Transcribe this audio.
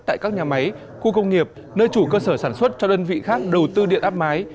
tại các nhà máy khu công nghiệp nơi chủ cơ sở sản xuất cho đơn vị khác đầu tư điện áp mái